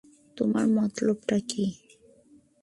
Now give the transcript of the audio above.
তোমার মতলবটা কি?